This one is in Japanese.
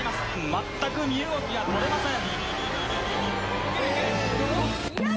全く身動きが取れません。